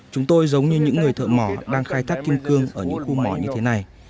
chúng tôi giống như những người thợ mỏ đang khai thác kim cương ở những khu mỏ như thế này